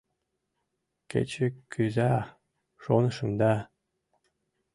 Кече кӱза, шонышым да, -